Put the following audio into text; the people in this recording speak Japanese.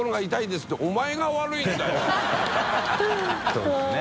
そうですね。